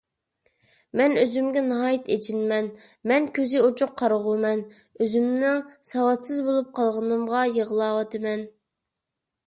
مەن ئۆزۈمگە ناھايىتى ئېچىنىمەن. مەن كۆزى ئوچۇق قارىغۇمەن، ئۆزۈمنىڭ ساۋاتسىز بولۇپ قالغىنىمغا يىغلاۋاتىمەن.